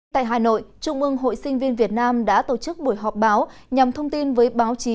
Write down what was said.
tại hà nội trung ương hội sinh viên việt nam đã tổ chức buổi họp báo nhằm thông tin với báo chí